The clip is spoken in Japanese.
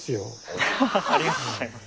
ありがとうございます。